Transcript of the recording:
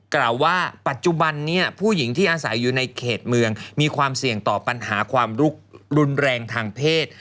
กล่าวว่าปัจจุบันนี้ผู้หญิงที่อาศัยอยู่ในเขตเมืองมีความเสี่ยงต่อปัญหาความลุกรุนแรงทางเพศ